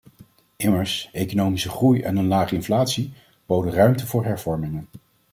Immers, economische groei en een lage inflatie boden ruimte voor hervormingen.